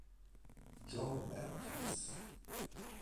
John Perkins